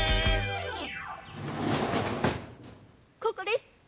ここです！